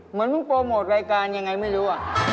เหมือนมันโปรโมทรายการอย่างไรไม่รู้